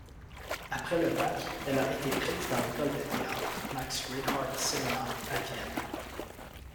Après le bac, elle a été prise dans l'école de théâtre, Max-Reinhardt-Seminar à Vienne.